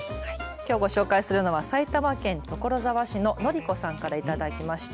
きょう、ご紹介するのは埼玉県所沢市のｎｏｒｉｋｏさんから頂きました。